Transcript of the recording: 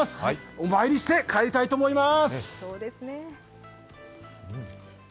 お参りして帰りたいと思います。